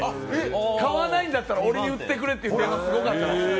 買わないんだったら、俺に売ってくれという電話がすごかった。